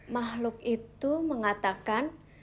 makhluk itu mengatakan